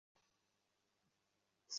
এবং তাকে তোমার ছায়াও পরতে দিব না।